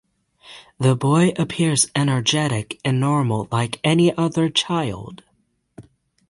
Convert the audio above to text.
The boy appears energetic and normal like any other child.